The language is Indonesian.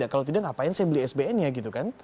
kalau tidak ngapain saya beli sbn nya gitu kan